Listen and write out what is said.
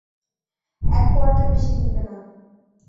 এক কোয়ার্টের বেশি গিলবে না।